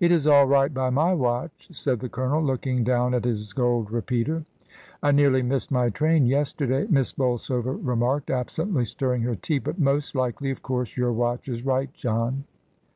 "It is all right by my watch," said the Colonel, looking down at his gold repeater. "I nearly missed my train yesterday," Miss Bol sover remarked, absently stirring her tea; "but most likely — of course your watch is right, John."